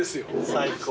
最高。